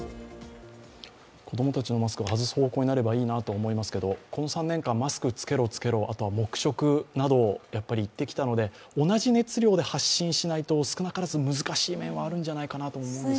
子供たちのマスクが外す方向になればいいなと思いますがこの３年間、マスク着けろ、着けろ、あとは黙食などを言ってきたので、同じ熱量で発信しないと少なからず難しい面もあるんじゃないかと思います。